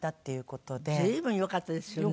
随分よかったですよね。